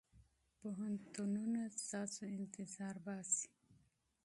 پوهنتونونه ستاسو انتظار باسي.